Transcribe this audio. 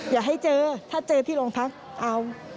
อย่าให้เจอถ้าเจอที่โรงพักเอา